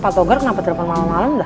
pak togar kenapa telepon malem malem dah